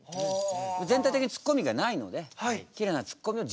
全体的にツッコミがないのできれいなツッコミを自分で入れる。